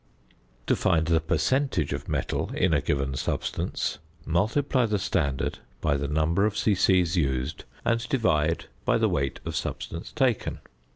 To find the percentage of metal in a given substance: _Multiply the standard by the number of c.c. used and divide by the weight of substance taken.